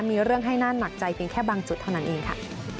มีเรื่องให้น่าหนักใจเพียงแค่บางจุดเท่านั้นเองค่ะ